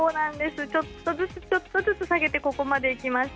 ちょっとずつちょっとずつ下げてここまできました。